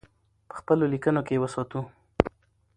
په خپلو لیکنو کې یې وساتو.